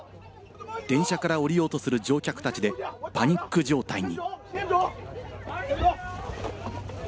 電車から降りようとする乗客たちでパニック状態に。